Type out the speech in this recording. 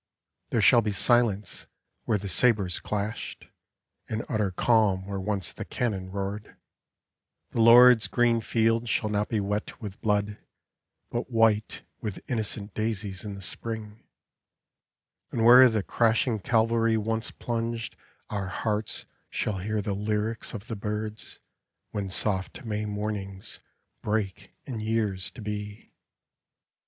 There shall be silence where the sabers clashed, And utter calm where once the cannon roared; T^e Lord's green fields shall not be wet with blood, But white with innocent daisies in the Spring; And where the crashing cavalry once plunged Our hearts shall hear the lyrics of the birds When soft May mornings break in years to be.